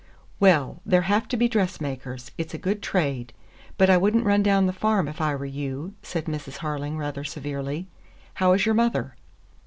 "Well, there have to be dressmakers. It's a good trade. But I would n't run down the farm, if I were you," said Mrs. Harling rather severely. "How is your mother?"